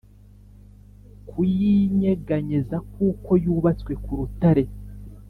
Kuyinyeganyeza kuko yubatswe ku rutare